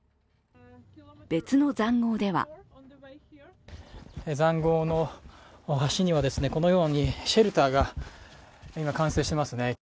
別の塹壕では塹壕の端にはこのようにシェルターが今完成していますね。